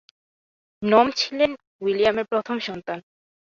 নোম ছিলেন উইলিয়ামের প্রথম সন্তান।